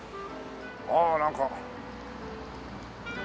ああなんか。